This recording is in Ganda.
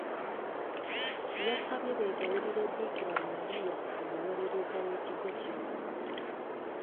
Yabasabye beegayirire Bikira Maria omuwolereza w’ekigo kino.